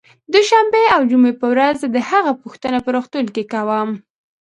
دوشنبې او جمعې په ورځ زه د هغه پوښتنه په روغتون کې کوم